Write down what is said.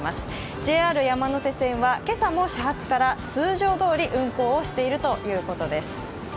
ＪＲ山手線は今朝も始発から通常どおり運行しているということです。